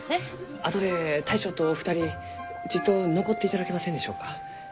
あとで大将と２人ちっと残っていただけませんでしょうか？